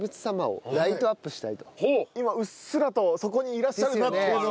今うっすらとそこにいらっしゃる。